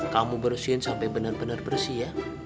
kamu bersihin sampai benar benar bersih ya